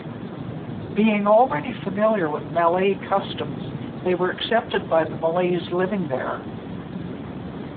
Being already familiar with Malay customs, they were accepted by the Malays living there.